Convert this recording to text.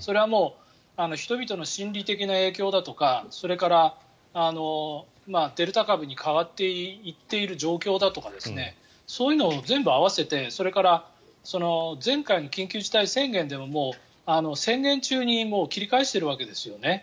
それはもう人々の心理的な影響だとかそれからデルタ株に変わっていっている状況だとかそういうのを全部合わせてそれと、前回の緊急事態宣言でももう宣言中に切り返しているわけですよね。